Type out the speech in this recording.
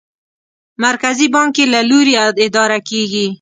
مرکزي بانک یې له لوري اداره کېږي.